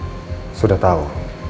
mereka juga sudah tau